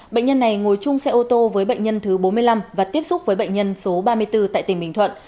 bệnh nhân này ngồi chung xe ô tô với bệnh nhân thứ bốn mươi năm và tiếp xúc với bệnh nhân số ba mươi bốn tại tỉnh bình thuận